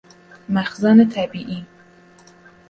مخزن طبیعی